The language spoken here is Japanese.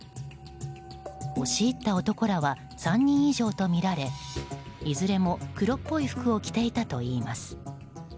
押し入った男らは３人以上とみられいずれも黒っぽい服を着ていたといいます。